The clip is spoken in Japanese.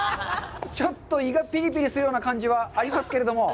ちょっと胃がぴりぴりするような感じはありますけれども。